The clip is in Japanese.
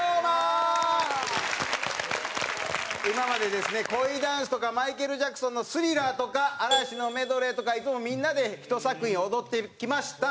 今までですね恋ダンスとかマイケル・ジャクソンの『スリラー』とか嵐のメドレーとかいつもみんなで一作品を踊ってきました。